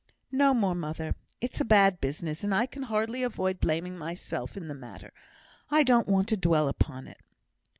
"No more, mother; it's a bad business, and I can hardly avoid blaming myself in the matter; I don't want to dwell upon it."